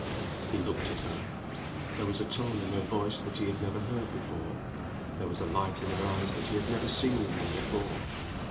He looked at her. There was a tone in her voice that he had never heard before. There was a light in her eyes that he had never seen in them before.